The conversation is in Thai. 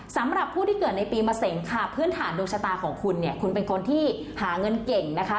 สำหรับผู้ที่เกิดในปีมะเสงค่ะพื้นฐานดวงชะตาของคุณเนี่ยคุณเป็นคนที่หาเงินเก่งนะคะ